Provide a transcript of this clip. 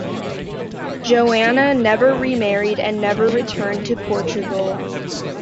Joanna never remarried and never returned to Portugal.